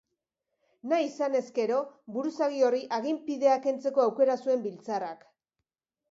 Nahi izanez gero, buruzagi horri aginpidea kentzeko aukera zuen biltzarrak.